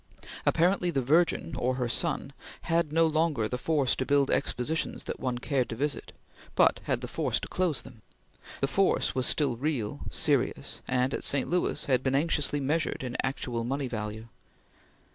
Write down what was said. Apparently the Virgin or her Son had no longer the force to build expositions that one cared to visit, but had the force to close them. The force was still real, serious, and, at St. Louis, had been anxiously measured in actual money value.